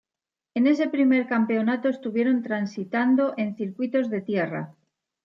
En ese primer campeonato estuvieron transitando en circuitos de tierra.